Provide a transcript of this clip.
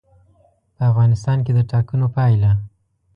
په افغانستان کې د ټاکنو پایله.